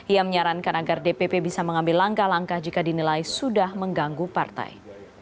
ia menyarankan agar dpp bisa mengambil langkah langkah jika dinilai sudah mengganggu partai